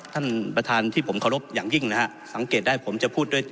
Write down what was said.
ท่านประธานที่ผมเคารพอย่างยิ่งนะฮะสังเกตได้ผมจะพูดด้วย